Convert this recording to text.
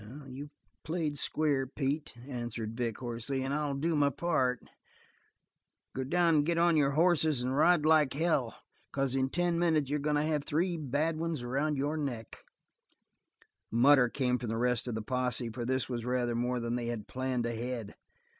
"You've played square, Pete," answered Vic hoarsely, "and I'll do my part. Go down and get on your hosses and ride like hell; because in ten minutes you're goin' to have three bad ones around your necks." A mutter came from the rest of the posse, for this was rather more than they had planned ahead.